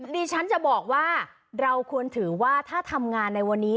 ดิฉันจะบอกว่าเราควรถือว่าถ้าทำงานในวันนี้